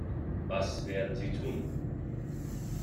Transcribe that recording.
Was werden Sie tun?